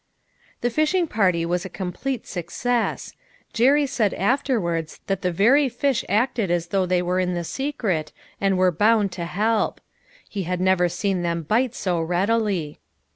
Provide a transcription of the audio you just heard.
w The fishing party was a complete success. Jerry said afterwards that the very fish acted as though they were in the secret and were bound to help. He had never seen them bite so readily.